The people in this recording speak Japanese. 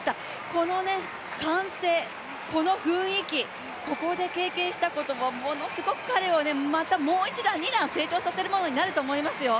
この歓声、この雰囲気、ここで経験したことはものすごく彼をまたもう一段、二段成長させるものになると思いますよ。